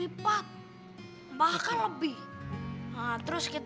itu udah bahaya banget sih